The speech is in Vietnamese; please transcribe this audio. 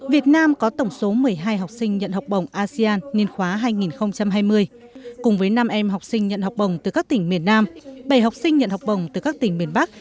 việt nam có tổng số một mươi hai học sinh nhận học bổng asean niên khóa hai nghìn hai mươi cùng với năm em học sinh nhận học bổng từ các tỉnh miền nam bảy học sinh nhận học bổng từ các tỉnh miền bắc